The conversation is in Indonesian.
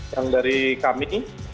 yang dari kami